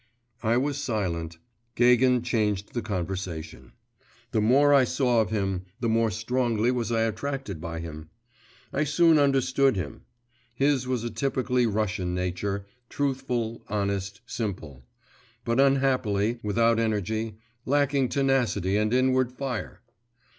I was silent. Gagin changed the conversation. The more I saw of him, the more strongly was I attracted by him. I soon understood him. His was a typically Russian nature, truthful, honest, simple; but, unhappily, without energy, lacking tenacity and inward fire.